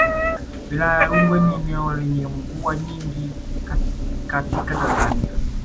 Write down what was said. Wilaya ya Rungwe ni eneo lenye mvua nyingi katika Tanzania